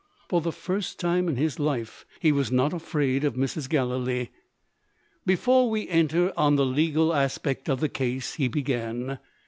For the first time in his life, he was not afraid of Mrs. Galilee. "Before we enter on the legal aspect of the case " he began.